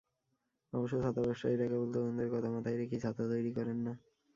অবশ্য ছাতা ব্যবসায়ীরা কেবল তরুণদের কথা মাথায় রেখেই ছাতা তৈরি করেন না।